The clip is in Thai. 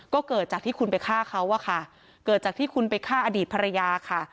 ก็เกิดจากที่คุณไปฆ่าเขาอะค่ะเกิดจากที่คุณไปฆ่าอดีตภรรยาค่ะ